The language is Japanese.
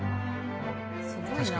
すごいな。